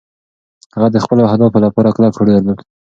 هغه د خپلو اهدافو لپاره کلک هوډ درلود.